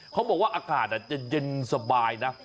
เขาบอกว่าอากาศจะเย็นสบายนะ